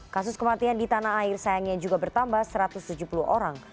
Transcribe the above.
kasus kematian di tanah air sayangnya juga bertambah satu ratus tujuh puluh orang